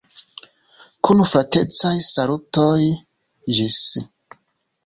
Kun fratecaj salutoj, ĝis!